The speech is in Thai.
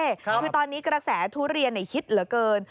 คือตอนนี้กระแสทุเรียนฮิตเหลือเกิน